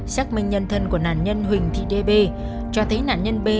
xác minh nhân thân của nạn nhân huỳnh thị đê bê cho thấy nạn nhân bê